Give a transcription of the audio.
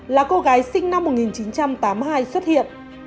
là cô gái sinh năm một nghìn chín trăm tám mươi hai xuất hiện